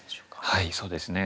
はいそうですね。